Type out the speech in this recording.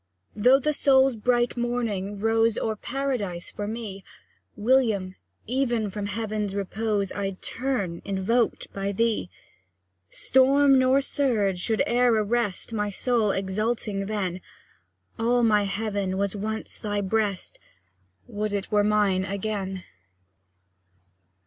Though the soul's bright morning rose O'er Paradise for me, William! even from Heaven's repose I'd turn, invoked by thee! Storm nor surge should e'er arrest My soul, exalting then: All my heaven was once thy breast, Would it were mine again!